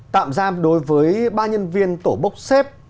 tạm giam đối với ba nhân viên tổ bốc xếp